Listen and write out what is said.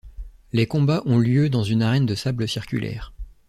Les combats ont lieu dans une arène de sable circulaire.